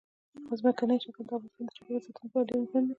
ځمکنی شکل د افغانستان د چاپیریال ساتنې لپاره ډېر مهم دي.